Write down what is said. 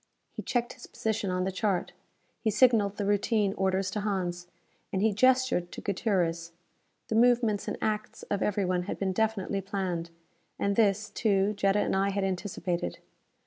He checked his position on the chart. He signalled the routine orders to Hans. And he gestured to Gutierrez. The movements and acts of everyone had been definitely planned. And this, too, Jetta and I had anticipated.